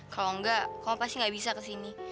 kalo enggak kamu pasti gak bisa kesini